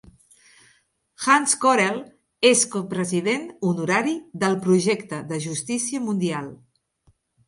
Hans Corell és copresident honorari del projecte de justícia mundial.